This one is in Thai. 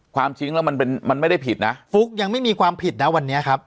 ความจริงแล้วมันเป็นมันไม่ได้ผิดนะฟุ๊กยังไม่มีความผิดนะวันนี้ครับ